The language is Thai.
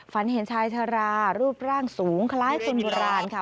ฝันเห็นชายชารารูปร่างสูงคล้ายคนโบราณค่ะ